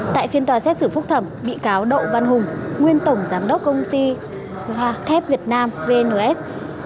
tại phiên tòa xét xử phúc thẩm bị cáo độ văn hùng nguyên tổng giám đốc công ty thép việt nam vns